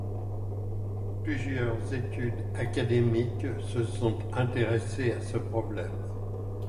Plusieurs études académiques se sont intéressées à ce problème.